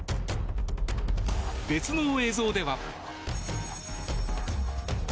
別の映像では。